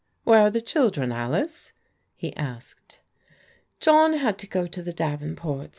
"Where are the children, Alice?" he asked. "John had to go to the Davenports. Mr.